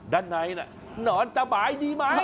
ด้านในนอนสบายดีไหม